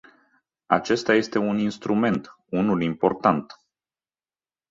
Acesta este un instrument, unul important.